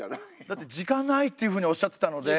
だって時間ないっていうふうにおっしゃってたので。